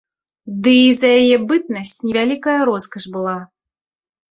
Ды і за яе бытнасць не вялікая роскаш была.